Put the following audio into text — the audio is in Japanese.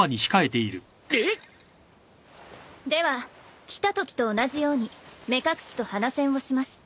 えっ！？では来たときと同じように目隠しと鼻栓をします。